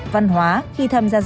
văn hóa khi tham gia